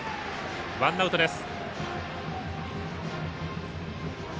ワンアウトです。